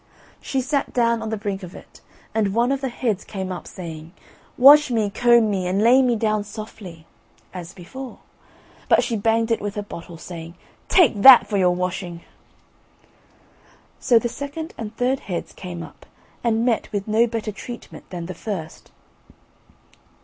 She sat down on the brink of it, and one of the heads came up, saying: "Wash me, comb me, and lay me down softly," as before, but she banged it with her bottle, saying, "Take that for your washing." So the second and third heads came up, and met with no better treatment than the first.